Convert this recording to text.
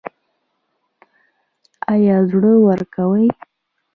ایا زړه ورکوئ؟